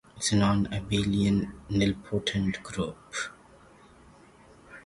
It is a non-abelian nilpotent group.